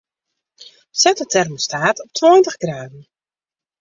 Set de termostaat op tweintich graden.